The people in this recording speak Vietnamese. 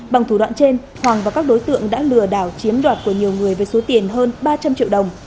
bằng thủ đoạn trên hoàng và các đối tượng đã lừa đảo chiếm đoạt của nhiều người với số tiền hơn ba trăm linh triệu đồng